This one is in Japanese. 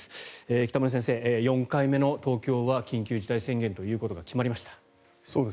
北村先生、４回目の東京は緊急事態宣言ということが決まりました。